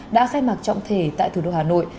đã khai mạc trọng thể tại thủ đô hà nội